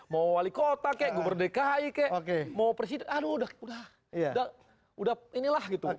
mau wali kota kek mau berdekai kek mau presiden aduh udah udah inilah gitu